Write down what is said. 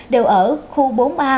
đều ở khu bốn a